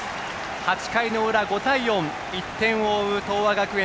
８回の裏、５対４１点を追う東亜学園。